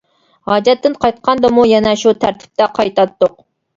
ھاجەتتىن قايتقاندىمۇ يەنە شۇ تەرتىپتە قايتاتتۇق.